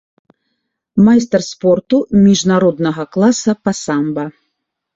Майстар спорту міжнароднага класа па самба.